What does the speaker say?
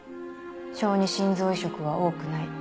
小児心臓移植は多くない。